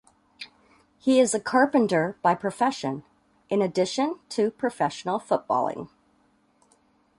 He is a carpenter by profession, in addition to professional footballing.